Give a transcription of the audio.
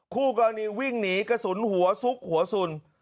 คู่กรณีวิ่งหนีกระสุนหัวซุกหัวสุน